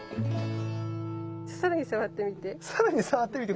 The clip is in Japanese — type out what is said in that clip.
さらに触ってみて。